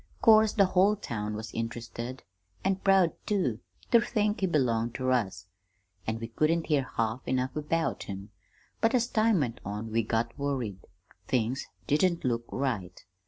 "'Course the whole town was interested, an' proud, too, ter think he belonged ter us; an' we couldn't hear half enough about him. But as time went on we got worried. Things didn't look right.